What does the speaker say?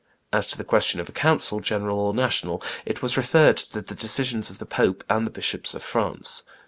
As to the question of a council, general or national, it was referred to the decision of the pope and the bishops of France.